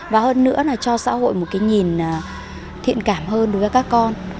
và hơn nữa là cho xã hội một cái nhìn thiện cảm hơn đối với các con